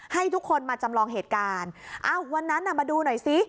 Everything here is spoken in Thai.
ให้ทุกคนมาจำลองเหตุการณ์อ้าววันนั้นน่ะมาดูหน่อยซิ